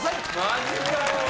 マジかよ！